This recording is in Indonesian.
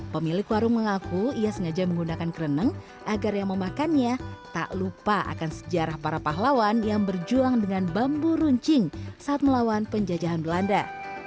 pemilik warung mengaku ia sengaja menggunakan kreneng agar yang memakannya tak lupa akan sejarah para pahlawan yang berjuang dengan bambu runcing saat melawan penjajahan belanda